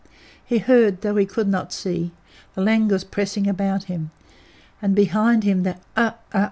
He heard, though he could not see, the langurs pressing about him, and behind them the uhh!